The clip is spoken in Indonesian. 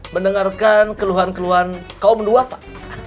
mendengarkan keluhan keluhan kaum dua pak